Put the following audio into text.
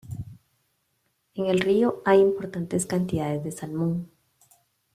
En el río hay importantes cantidades de salmón.